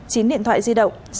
chín điện thoại di động